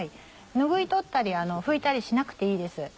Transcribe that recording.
ぬぐい取ったり拭いたりしなくていいです。